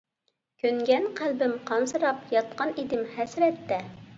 كۆنگەن قەلبىم قانسىراپ، ياتقان ئىدىم ھەسرەتتە.